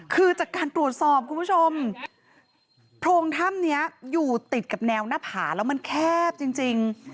คือจากการตรวจสอบคุณผู้ชมโพรงถ้ำนี้อยู่ติดกับแนวหน้าผาแล้วมันแคบจริง